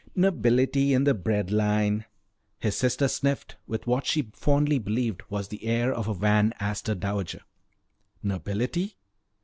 "Nobility in the bread line." His sister sniffed with what she fondly believed was the air of a Van Astor dowager. "Nobility?"